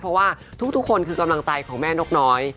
เพราะว่าทุกคนคือกำลังใจของแม่นกน้อย